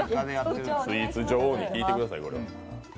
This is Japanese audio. スイーツ女王に聞いてください。